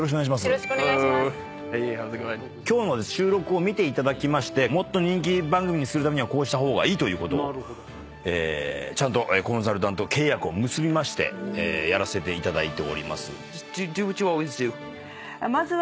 今日の収録を見ていただきましてもっと人気番組にするためにはこうした方がいいということをちゃんとコンサルタント契約を結びましてやらせていただいております。